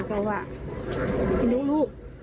ฝนเขาผมรู้